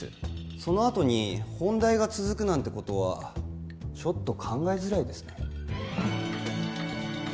そのあとに本題が続くなんてことはちょっと考えづらいですね